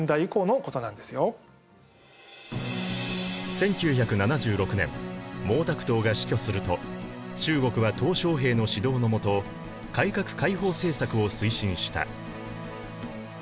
１９７６年毛沢東が死去すると中国は小平の指導の下改革開放政策を推進した。